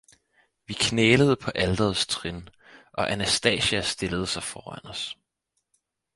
Vi knælede på alterets trin, og anastasia stillede sig foran os